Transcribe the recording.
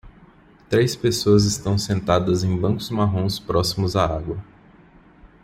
Três pessoas estão sentadas em bancos marrons próximos à água.